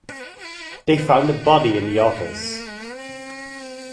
They've found a body in the office.